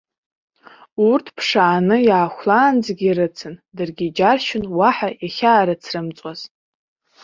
Урҭ ԥшааны, иаахәлаанӡагьы ирыцын, даргьы иџьаршьон уаҳа иахьаарыцрымҵуаз.